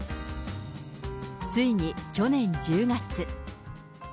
ついに去年１０月。